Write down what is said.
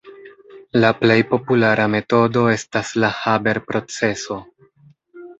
La plej populara metodo estas la Haber-proceso.